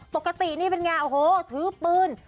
ปกตินี่เป็นไงโอ้โหถือปืน